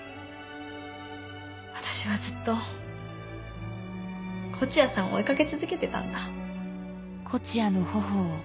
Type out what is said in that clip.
私はずっと東風谷さんを追いかけ続けてたんだ。